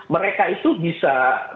mereka itu bisa